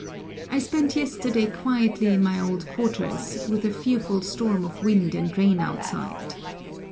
I spent yesterday quietly in my old quarters, with a fearful storm of wind and rain outside.